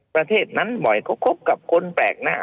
ประเทศนั้นบ่อยเขาคบกับคนแปลกหน้า